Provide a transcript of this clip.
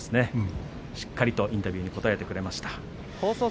しっかりインタビューに応えてくれました。